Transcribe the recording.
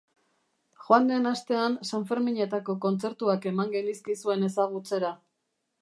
Joan den astean sanferminetako kontzertuak eman genizkizuen ezagutzera.